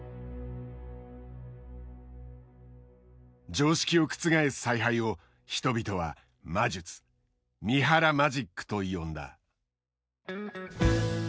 常識を覆す采配を人々は「魔術」「三原マジック」と呼んだ。